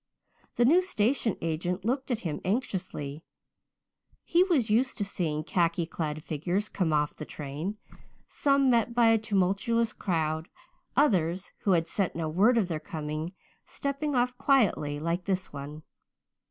The new station agent looked at him anxiously. He was used to seeing the khaki clad figures come off the train, some met by a tumultuous crowd, others, who had sent no word of their coming, stepping off quietly like this one.